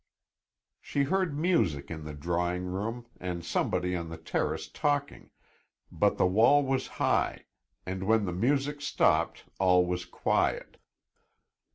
She heard music in the drawing room and somebody on the terrace talking, but the wall was high and when the music stopped all was quiet.